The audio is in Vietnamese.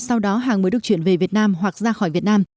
sau đó hàng mới được chuyển về việt nam hoặc ra khỏi việt nam